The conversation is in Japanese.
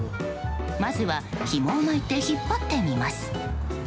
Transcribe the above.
まずは、ひもを巻いて引っ張ってみます。